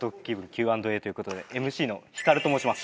Ｑ＆えっ！？ということでＭＣのヒカルと申します。